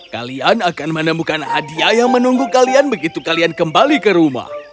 kalian akan menemukan hadiah yang menunggu kalian begitu kalian kembali ke rumah